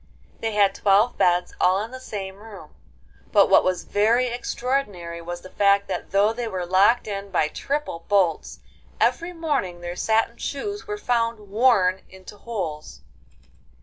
They had twelve beds all in the same room, but what was very extraordinary was the fact that though they were locked in by triple bolts, every morning their satin shoes were found worn into holes.